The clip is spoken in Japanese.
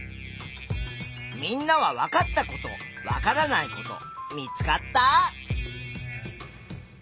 みんなはわかったことわからないこと見つかった？